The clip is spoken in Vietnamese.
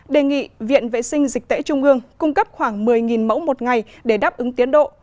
đề nghị viện vệ sinh dịch tễ trung ương cung cấp khoảng một mươi mẫu một ngày để đáp ứng tiến độ